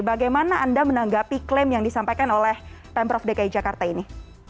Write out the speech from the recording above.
bagaimana anda menanggapi klaim yang disampaikan oleh pemprov dki jakarta ini